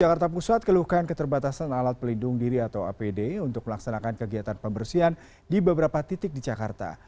jakarta pusat keluhkan keterbatasan alat pelindung diri atau apd untuk melaksanakan kegiatan pembersihan di beberapa titik di jakarta